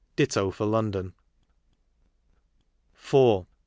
Ditto for London. , i ..'